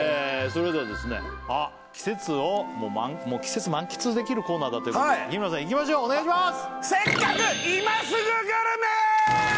それではですねあっ季節を季節満喫できるコーナーだということで日村さんいきましょうお願いします！